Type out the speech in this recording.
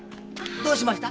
どうしました？